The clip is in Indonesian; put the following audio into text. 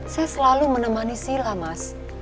saya selalu menemani sila mas